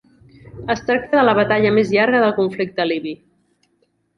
Es tracta de la batalla més llarga del conflicte libi.